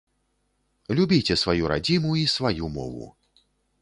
Любіце сваю радзіму і сваю мову.